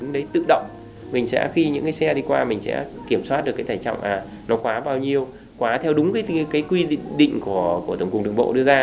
đấy tự động mình sẽ khi những cái xe đi qua mình sẽ kiểm soát được cái thải trọng nó quá bao nhiêu quá theo đúng cái quy định của tổng cùng đường bộ đưa ra